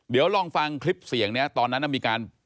เดี๋ยวลองฟังคลิปเสียงเนี่ยตอนนั้นมีการ